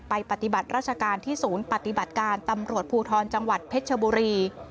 ปฏิบัติราชการที่ศูนย์ปฏิบัติการตำรวจภูทรจังหวัดเพชรชบุรี